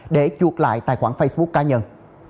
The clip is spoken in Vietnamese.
để chuột lại tài khoản facebook cá nhân